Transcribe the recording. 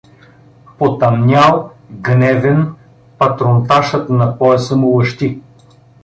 Потъмнял, гневен, патронташът на пояса му лъщи.